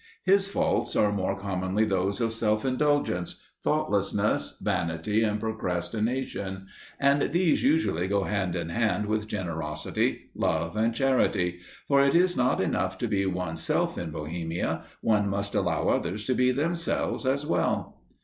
His faults are more commonly those of self indulgence, thoughtlessness, vanity and procrastination, and these usually go hand in hand with generosity, love and charity; for it is not enough to be one's self in Bohemia, one must allow others to be themselves, as well.